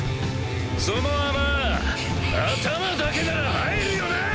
その穴頭だけなら入るよなぁ！